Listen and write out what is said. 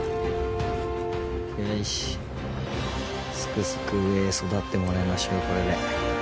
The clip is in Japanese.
よしすくすく育ってもらいましょうこれで。